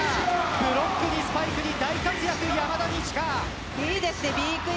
ブロックにスパイクに大活躍の山田二千華。